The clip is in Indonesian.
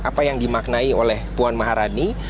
apa yang dimaknai oleh puan maharani